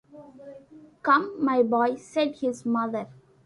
“Come, my boy,” said his mother.